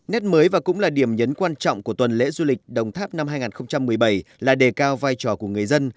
nét mới và cũng là điểm nhấn quan trọng của tuần lễ du lịch đồng tháp năm hai nghìn một mươi bảy là đề cao vai trò của người dân